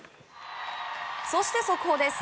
そして速報です。